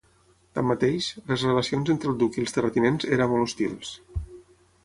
Tanmateix, les relacions entre el duc i els terratinents era molt hostils.